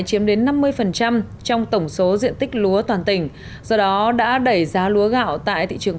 chiếm đến năm mươi trong tổng số diện tích lúa toàn tỉnh do đó đã đẩy giá lúa gạo tại thị trường